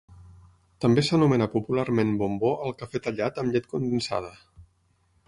També s'anomena popularment bombó al cafè tallat amb llet condensada.